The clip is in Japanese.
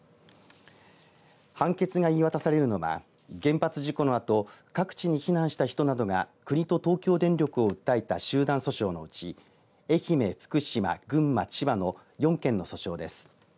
判決が言い渡されるのは原発事故のあと各地に避難した人などが国と東京電力を訴えた集団訴訟のうち愛媛、福島、群馬、千葉の４件の訴訟です。